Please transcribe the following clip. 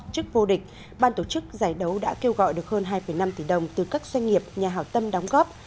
trước vô địch ban tổ chức giải đấu đã kêu gọi được hơn hai năm tỷ đồng từ các doanh nghiệp nhà hảo tâm đóng góp